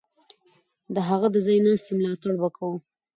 د هغه د ځای ناستي ملاتړ به کوو.